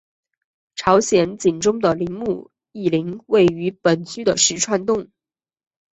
朝鲜景宗的陵墓懿陵位于本区的石串洞。